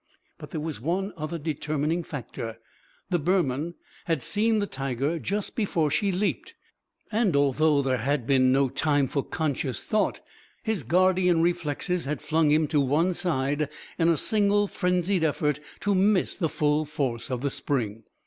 But there was one other determining factor. The Burman had seen the tiger just before she leaped; and although there had been no time for conscious thought, his guardian reflexes had flung him to one side in a single frenzied effort to miss the full force of the spring.